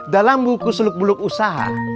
dalam buku seluk beluk usaha